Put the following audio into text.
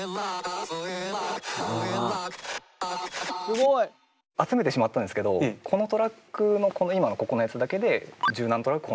すごい！集めてしまったんですけどこのトラックの今のここのやつだけで十何トラック